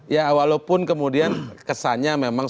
ya walaupun kemudian kesannya memang